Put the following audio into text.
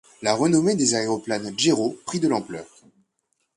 La renommée des aéroplanes Jero prit de l'ampleur.